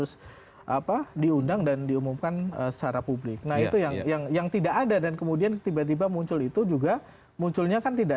sampai jumpa di video selanjutnya